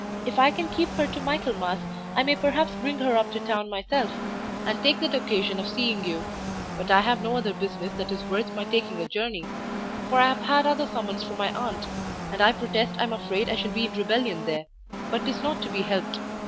If I can keep her to Michaelmas I may perhaps bring her up to town myself, and take that occasion of seeing you; but I have no other business that is worth my taking a journey, for I have had another summons from my aunt, and I protest I am afraid I shall be in rebellion there; but 'tis not to be helped.